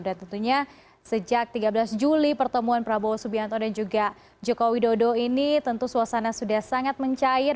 dan tentunya sejak tiga belas juli pertemuan prabowo subianto dan juga joko widodo ini tentu suasana sudah sangat mencair